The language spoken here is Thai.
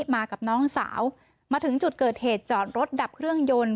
มากับน้องสาวมาถึงจุดเกิดเหตุจอดรถดับเครื่องยนต์